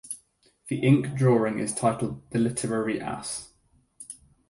The ink drawing is titled "The Literary Ass".